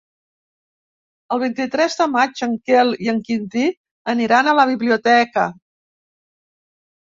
El vint-i-tres de maig en Quel i en Quintí aniran a la biblioteca.